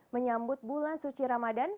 menyambut bulan suci ramadan